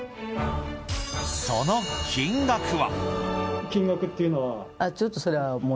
その金額は。